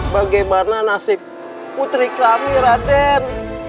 bagaimana nasib putri kami raden